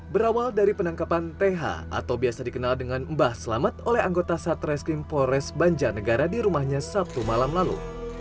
berawal dari penangkapan th atau biasa dikenal dengan mbah selamat oleh anggota satreskrim polres banjarnegara di rumahnya sabtu malam lalu